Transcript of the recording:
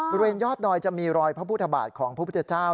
บริเวณยอดดอยจะมีรอยพระพุทธบาทของพระพุทธเจ้า